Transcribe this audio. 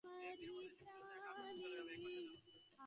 দু-এক দিনের মধ্যে সে বিভিন্ন জায়গায় কাজ করতে চলে যাবে এক মাসের জন্য।